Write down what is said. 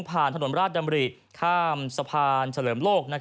ถนนราชดำริข้ามสะพานเฉลิมโลก